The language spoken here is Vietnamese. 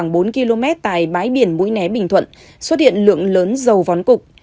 sáng ngày một mươi hai tháng năm khoảng bốn km tại bãi biển mũi né bình thuận xuất hiện lượng lớn dầu vón cục